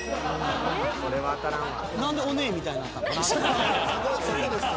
［これは当たらんわ］